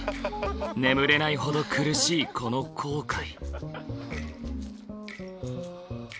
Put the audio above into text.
眠れないほど苦しいこの後悔。